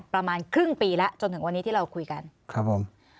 ประมาณครึ่งปีแล้วจนถึงวันนี้ที่เราคุยกันครับผม